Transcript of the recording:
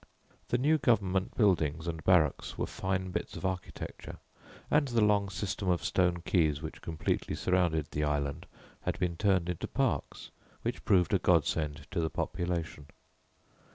The new government buildings and barracks were fine bits of architecture, and the long system of stone quays which completely surrounded the island had been turned into parks which proved a god send to the population.